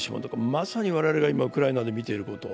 まさに我々が今、ウクライナで見ていること。